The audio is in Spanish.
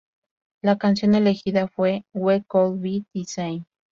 La canción elegida fue "We could be the same".